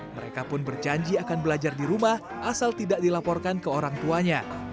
mereka pun berjanji akan belajar di rumah asal tidak dilaporkan ke orang tuanya